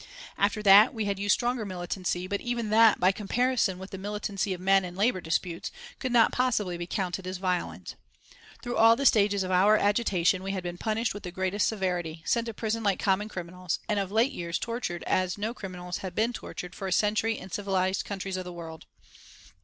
After that we had used stronger militancy, but even that, by comparison with the militancy of men in labour disputes, could not possibly be counted as violent. Through all these stages of our agitation we had been punished with the greatest severity, sent to prison like common criminals, and of late years tortured as no criminals have been tortured for a century in civilised countries of the world.